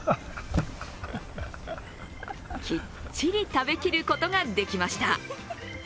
きっちり食べきることができました。